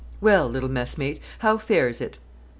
"'Well, little messmate, how fares it?"